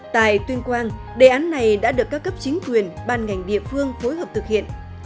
tại tuyên quang đề án này đã được các cấp chính quyền ban ngành địa phương phối hợp thực hiện